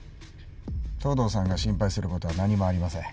藤堂さんが心配することは何もありません。